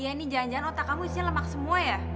ya ini jangan jangan otak kamu isinya lemak semua ya